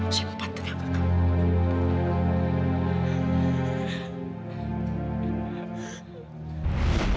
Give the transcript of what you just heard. simpan terima kasih